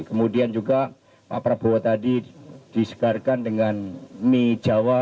kemudian juga pak prabowo tadi disegarkan dengan mie jawa